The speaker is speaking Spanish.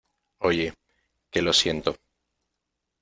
oye, que lo siento.